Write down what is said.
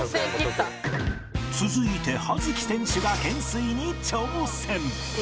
続いて葉月選手が懸垂に挑戦。